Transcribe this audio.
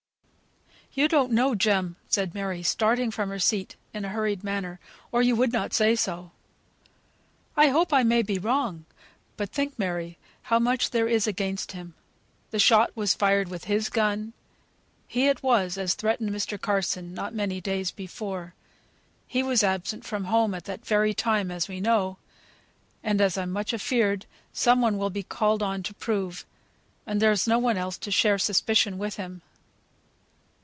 "You don't know Jem," said Mary, starting from her seat in a hurried manner, "or you would not say so." "I hope I may be wrong; but think, Mary, how much there is against him. The shot was fired with his gun; he it was as threatened Mr. Carson not many days before; he was absent from home at that very time, as we know, and, as I'm much afeared, some one will be called on to prove; and there's no one else to share suspicion with him."